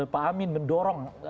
pak amin mendorong